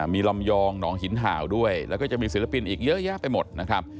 มีลำยองหนองหินห่าวด้วยแล้วก็จะมีศิลปินอีกเยอะแยะไปหมดนะครับ